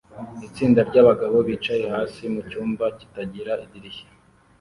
Itsinda ryabagabo bicaye hasi mucyumba kitagira idirishya